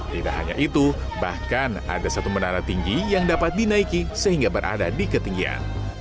tidak hanya itu bahkan ada satu menara tinggi yang dapat dinaiki sehingga berada di ketinggian